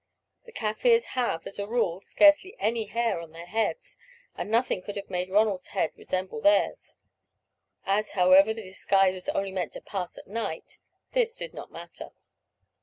The Kaffirs have, as a rule, scarcely any hair on their heads, and nothing could have made Ronald's head resemble theirs. As, however, the disguise was only meant to pass at night, this did not matter.